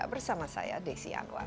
bersama saya desi anwar